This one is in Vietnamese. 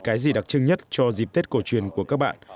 cái gì đặc trưng nhất cho dịp tết cổ truyền của các bạn